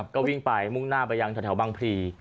ก็วิ่งไปมุ่งหน้าไปยังแถวบางพลี